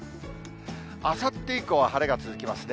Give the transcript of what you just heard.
あさって以降は晴れが続きますね。